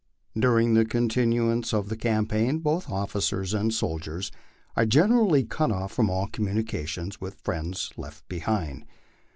During the continuance of the campaign both officers and soldiers are generally cut off from all communication with the friends left behind.